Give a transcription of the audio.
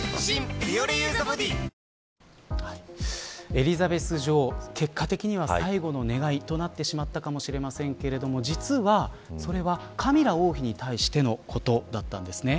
エリザベス女王結果的には、最後の願いとなってしまったかもしれませんけれども実は、それはカミラ王妃に対してのことだったんですね。